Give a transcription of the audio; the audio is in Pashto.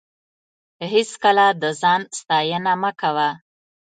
هېڅکله د ځان ستاینه مه کوه.